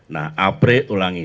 nah april ulangi